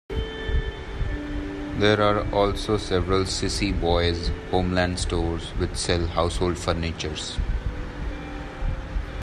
There are also several Sissy Boy Homeland stores, which sell household furniture.